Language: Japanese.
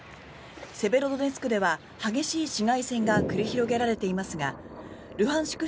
セベロドネツクでは激しい市街戦が繰り広げられていますがルハンシク